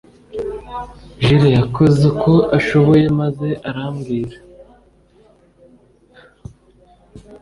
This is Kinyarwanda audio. Jule yakoze uko ashoboye maze arambwira